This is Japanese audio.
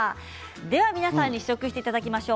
皆さんに試食していただきましょう。